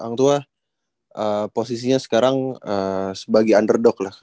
orang tua posisinya sekarang sebagai underdog lah